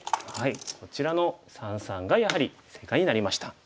こちらの三々がやはり正解になりました。